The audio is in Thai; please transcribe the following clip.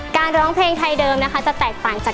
ร้องเพลงไทยเดิมนะคะจะแตกต่างจาก